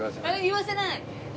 言わせない？